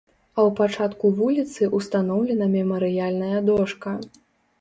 А ў пачатку вуліцы ўстаноўлена мемарыяльная дошка.